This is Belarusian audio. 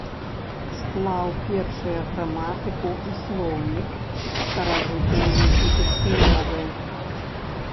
Склаў першыя граматыку і слоўнік старажытнаегіпецкай мовы.